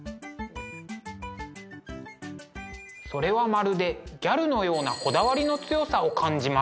それはまるでギャルのようなこだわりの強さを感じます。